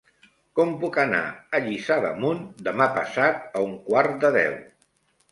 Com puc anar a Lliçà d'Amunt demà passat a un quart de deu?